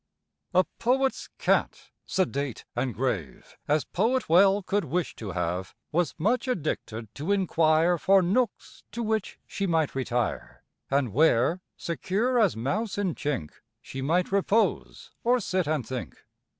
A poet's cat, sedate and grave As poet well could wish to have, Was much addicted to inquire For nooks to which she might retire, And where, secure as mouse in chink, She might repose, or sit and think.